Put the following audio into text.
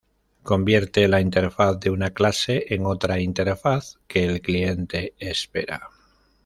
Convierte la interfaz de una clase en otra interfaz que el cliente espera.